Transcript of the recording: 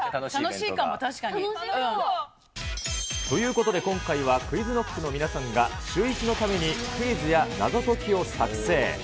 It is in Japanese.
楽しい。ということで今回はＱｕｉｚＫｎｏｃｋの皆さんがシューイチのためにクイズや謎解きを作成。